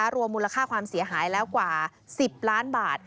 รวมมูลค่าความเสียหายแล้วกว่า๑๐ล้านบาท